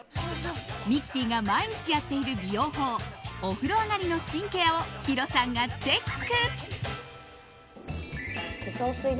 ミキティが毎日やっている美容法お風呂上がりのスキンケアをヒロさんがチェック。